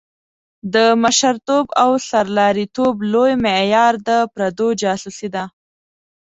د مشرتوب او سرلاري توب لوی معیار د پردو جاسوسي ده.